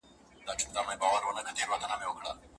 o د الماسو یو غمی یې وو ورکړی,